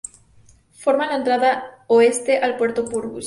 Forma la entrada oeste al puerto Purvis.